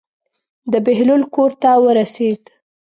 د بهلول کور ته ورسېد.